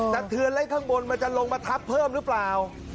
เทือนแล้วข้างบนมันจะลงมาทับเพิ่มหรือเปล่า